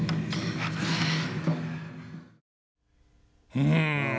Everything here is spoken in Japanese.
うん！